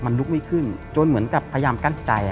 มันลุกไม่ขึ้นจนเหมือนกับพยายามกั้นใจ